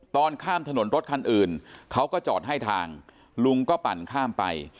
ตอนข้ามถนนรถคันอื่นเขาก็จอดให้ทางลุงก็ปั่นข้ามไป